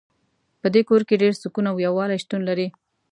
په دې کور کې ډېر سکون او یووالۍ شتون لری